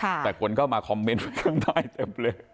ค่ะแต่คุณก็มาคอมเมนต์ข้างในเต็มเลย